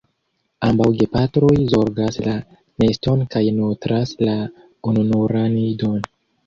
Ambaŭ gepatroj zorgas la neston kaj nutras la ununuran idon.